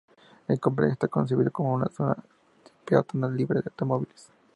El complejo está concebido como una zona peatonal libre de automóviles.